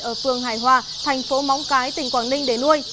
ở phường hải hòa thành phố móng cái tỉnh quảng ninh để nuôi